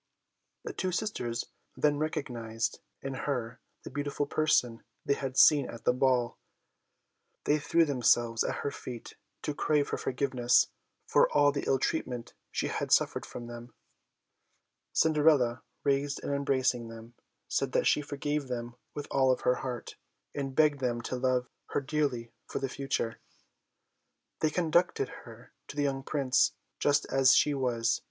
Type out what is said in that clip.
The two sisters then recognised in her the beautiful person they had seen at the ball. They threw themselves at her feet to crave her forgiveness for all the ill treatment she had suffered from them. Cinderella raised and embracing them, said that she forgave them with all her heart, and begged them to love her dearly for the future. They conducted her to the young Prince, dressed just as she was.